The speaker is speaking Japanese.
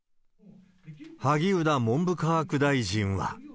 萩生田文部科学大臣は。